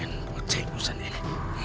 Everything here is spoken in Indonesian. dengan bocah ingusan ini